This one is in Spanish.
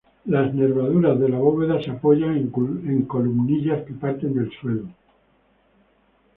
Las nervaduras de la bóveda se apoyan en columnillas que parten del suelo.